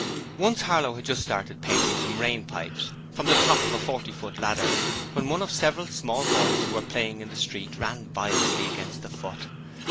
Once Harlow had just started painting some rainpipes from the top of a 40 ft ladder when one of several small boys who were playing in the street ran violently against the foot.